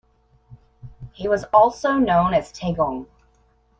He was also known as Taejong.